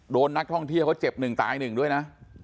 โดนนักท่องเที่ยวเขาเจ็บหนึ่งตายหนึ่งด้วยนะ